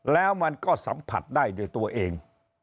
แล้วมันก็สัมผัสได้ด้วยตัวเอง